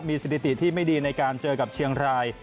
สถิติที่ไม่ดีในการเจอกับเชียงราย